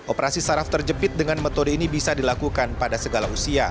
operasi saraf terjepit dengan metode ini bisa dilakukan pada segala usia